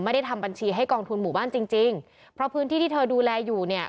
ทำบัญชีให้กองทุนหมู่บ้านจริงจริงเพราะพื้นที่ที่เธอดูแลอยู่เนี่ย